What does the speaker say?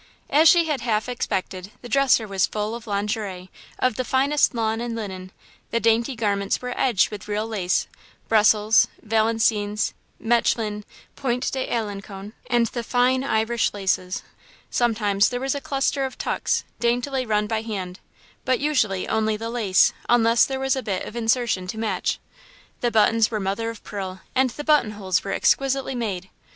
As she had half expected, the dresser was full of lingerie, of the finest lawn and linen. The dainty garments were edged with real lace Brussels, Valenciennes, Mechlin, Point d'Alencon, and the fine Irish laces. Sometimes there was a cluster of tucks, daintily run by hand, but, usually, only the lace, unless there was a bit of insertion to match. The buttons were mother of pearl, and the button holes were exquisitely made.